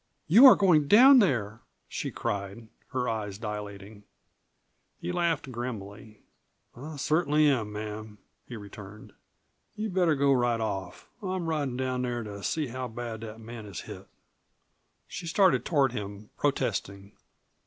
"You are going down there!" she cried, her eyes dilating. He laughed grimly. "I cert'nly am, ma'am," he returned. "You'd better go right off. I'm ridin' down there to see how bad that man is hit." She started toward him, protesting.